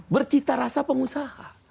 bercita rasa pengusaha